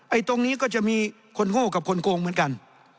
ตรงนี้ก็จะมีคนโง่กับคนโกงเหมือนกัน